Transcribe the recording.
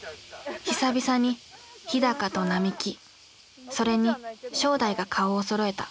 久々に日と並木それに正代が顔をそろえた。